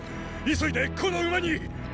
急いでこの馬にっ！